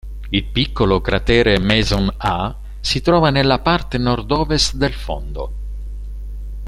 Il piccolo cratere 'Mason A' si trova nella parte nordovest del fondo.